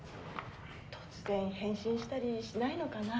・突然変身したりしないのかな。